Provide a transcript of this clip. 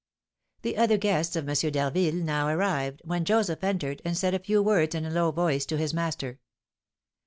The other guests of M. d'Harville now arrived, when Joseph entered, and said a few words in a low voice to his master.